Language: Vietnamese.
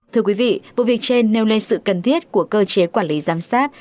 thưa quý vị vụ việc trên nêu lên sự cần thiết của cơ chế quản lý giám sát